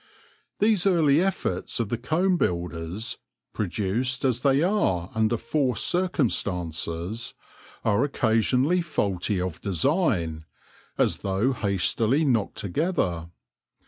These early efforts of the comb builders, produced as they are under forced circum stances, are occasionally faulty of design, as though hastily knocked together.